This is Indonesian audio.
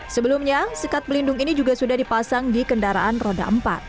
sebelumnya sekat pelindung ini juga sudah dipasang di kendaraan roda empat